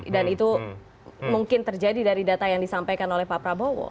dan itu mungkin terjadi dari data yang disampaikan oleh pak prabowo